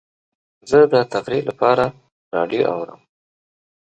زه د تفریح لپاره راډیو اورم.